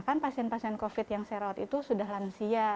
dan kebanyakan pasien pasien covid yang saya rawat itu sudah lansia